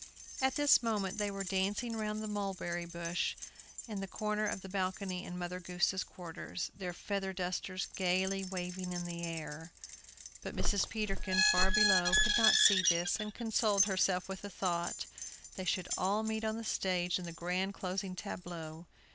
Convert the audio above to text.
At this moment they were dancing round the barberry bush, in a corner of the balcony in Mother Goose's quarters, their feather dusters gayly waving in the air. But Mrs. Peterkin, far below, could not see this, and consoled herself with the thought, they should all meet on the stage in the grand closing tableau.